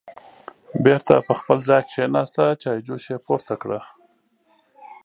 بېرته په خپل ځای کېناسته، چایجوش یې پورته کړه